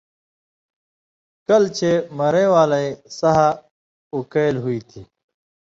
کلہۡ چے مرَیں والَیں سہہۡ اُکئیلیۡ ہُوئ تھی